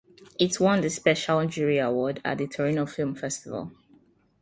It won the Special Jury Award at the Torino Film Festival.